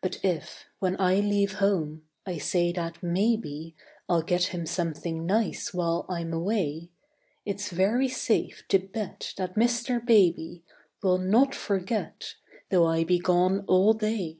But if, when I leave home, I say that maybe I'll get him something nice while I'm away, It's very safe to bet that Mr. Baby Will not forget, though I be gone all day.